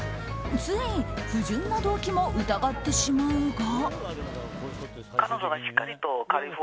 つい不純な動機も疑ってしまうが。